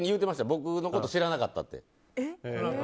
僕のこと知らなかったって。